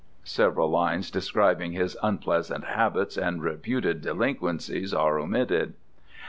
[Several lines describing his unpleasant habits and reputed delinquencies are omitted.